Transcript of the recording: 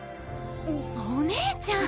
お姉ちゃん！